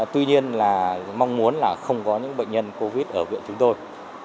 tuy nhiên là mong muốn là không có những bệnh nhân covid ở viện chúng tôi